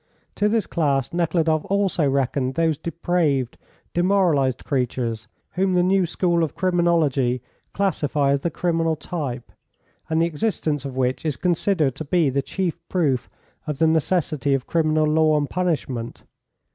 To this class Nekhludoff also reckoned those depraved, demoralised creatures whom the new school of criminology classify as the criminal type, and the existence of which is considered to be the chief proof of the necessity of criminal law and punishment.